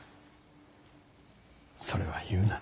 それは言うな。